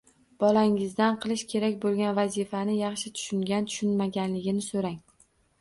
Bolangizdan qilishi kerak bo‘lgan vazifani yaxshi tushungan-tushunmaganligini so‘rang.